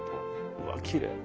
うわきれい。